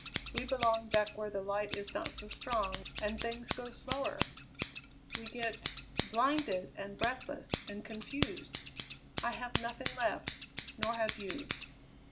We belong back where the light is not so strong and things go slower! We get blinded and breathless and confused. I have nothing left, nor have you.